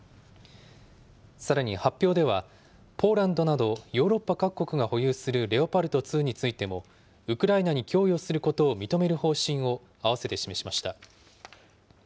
さらに発表ではポーランドなどヨーロッパ各国が保有するレオパルト２についても、ウクライナに供与することを認める方針をあわせて示しました。